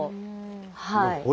はい。